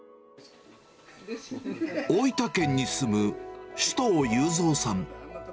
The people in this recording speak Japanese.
大分県に住む、首藤雄三さん。